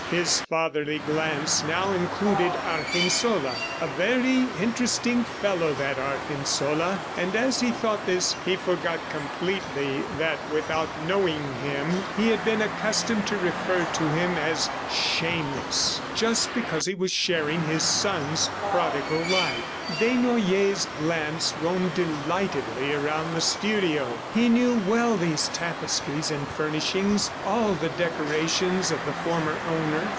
His fatherly glance now included Argensola. ... "A very interesting fellow, that Argensola!" And as he thought this, he forgot completely that, without knowing him, he had been accustomed to refer to him as "shameless," just because he was sharing his son's prodigal life. Desnoyers' glance roamed delightedly around the studio. He knew well these tapestries and furnishings, all the decorations of the former owner.